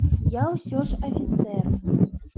Я ўсё ж афіцэр.